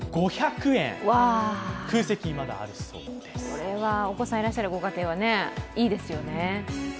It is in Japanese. これは、お子さんいらっしゃるご家庭はいいですよね。